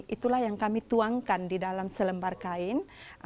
itulah yang kami tuangkan di dalam selembar kain